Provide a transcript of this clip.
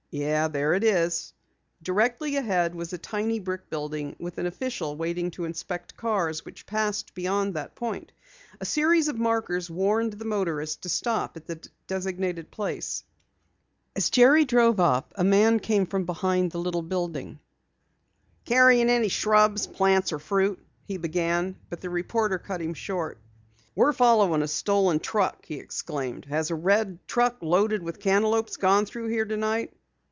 "Yeah, there it is." Directly ahead was a tiny brick building with an official waiting to inspect cars which passed beyond that point. A series of markers warned the motorist to halt at the designated place. As Jerry drew up, a man came from the little building. "Carrying any shrubs, plants or fruit?" he began but the reporter cut him short. "We're following a stolen truck!" he exclaimed. "Has a red truck loaded with cantaloupes gone through here tonight?"